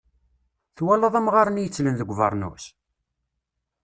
Twalaḍ amɣar-nni yettlen deg ubernus?